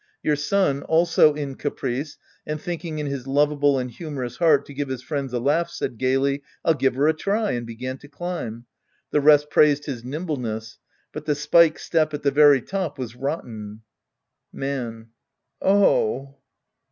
" Your son, also in caprice and thinking in his lovable and humorous heart to give his friends a laugh, said gayly, " I'll give to a try," and began to climb. The rest praised his nimbleness. But the spike step at the very top was rotten. Man. Oh